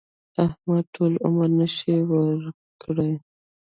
احمد ټول عمر نشې وکړې.